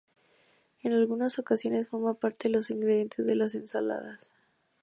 En algunas ocasiones forma parte de los ingredientes de las ensaladas.